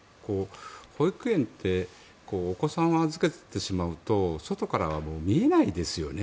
保育園ってお子さんを預けてしまうと外からは見えないですよね。